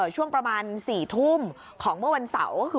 ช่วงประมาณ๔ทุ่มของเมื่อวันเส